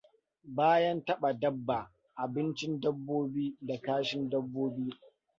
Bayan taɓa dabba, abincin dabbobi da kashin dabbobi.